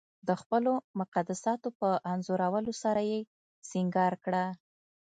د خپلو مقدساتو په انځورونو سره یې سنګار کړه.